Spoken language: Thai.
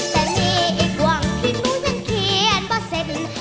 แต่มีอีกวังที่หนูยังคิดจะไม่รู้